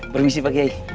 permisi pak kiai